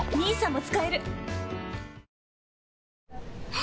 あ！